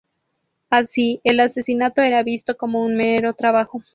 Así, el asesinato era visto como un mero trabajo.